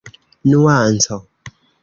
nuanco